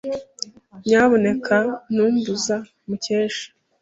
Nyamuneka ntumbuza, Mukesha.